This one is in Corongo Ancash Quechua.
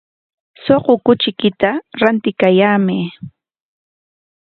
Suqu kuchiykita rantikamay.